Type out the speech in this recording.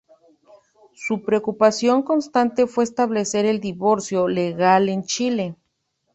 Su preocupación constante fue establecer el divorcio legal en Chile.